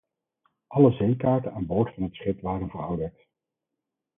Alle zeekaarten aan boord van het schip waren verouderd.